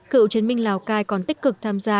cựu chiến binh lào cai còn tích cực tham gia